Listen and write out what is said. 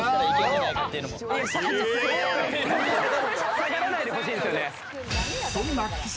下がらないでほしいんすよね。